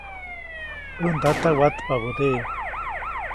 ʼÄj ndata watpabädeʼe.